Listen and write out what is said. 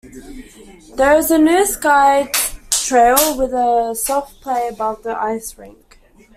There is a new sky trail with a soft play above the ice rink.